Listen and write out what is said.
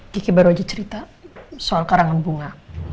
kiki baru aja cerita soal karangan bunga